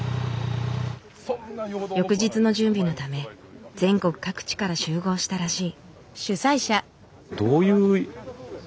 翌日の準備のため全国各地から集合したらしい。